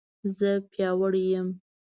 زه پیاوړې یم